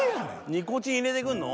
ニコチン入れてくるの？